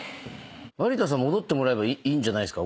有田さん戻ってもらえばいいんじゃないっすか？